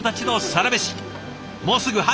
もうすぐ春。